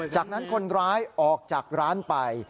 จากนั้นคนร้ายออกจากร้านไป